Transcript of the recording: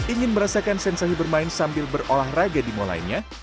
ingin merasakan sensasi bermain sambil berolahraga di mal lainnya